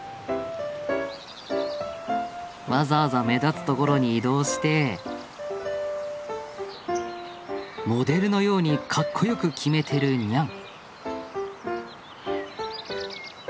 わざわざ目立つ所に移動してモデルのようにかっこよく決めてるニャン。